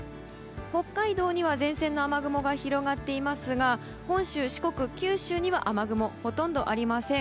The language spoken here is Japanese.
北海道には前線の雨雲が広がっていますが本州・四国、九州には雨雲ほとんどありません。